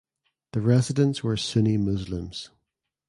The residents were Sunni Muslims.